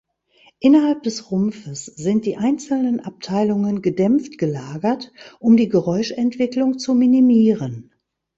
Innerhalb des Rumpfes sind die einzelnen Abteilungen gedämpft gelagert, um die Geräuschentwicklung zu minimieren.